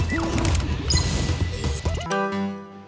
สวัสดีครับ